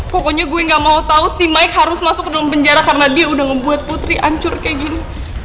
pokoknya gue gak mau tahu si mike harus masuk ke dalam penjara karena dia udah ngebuat putri ancur kayak gini